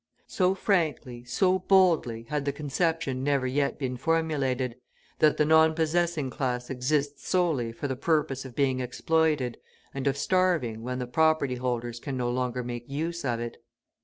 So frankly, so boldly had the conception never yet been formulated, that the non possessing class exists solely for the purpose of being exploited, and of starving when the property holders can no longer make use of it.